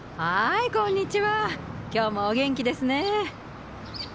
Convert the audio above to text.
今日もお元気ですね。